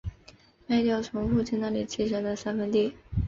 卖掉从父亲那里继承的三分地